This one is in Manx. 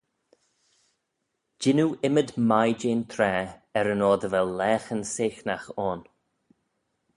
Jannoo ymmyd mie jeh'n traa, er-yn-oyr dy vel laghyn seaghnagh ayn.